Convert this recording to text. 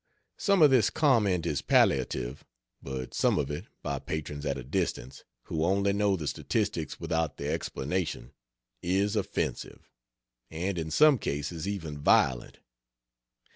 Some of this comment is palliative, but some of it by patrons at a distance, who only know the statistics without the explanation, is offensive, and in some cases even violent.